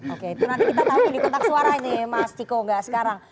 oke itu nanti kita tahu di kutak suaranya mas ciko enggak sekarang